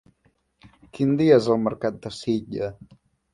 Quin dia és el mercat de Silla?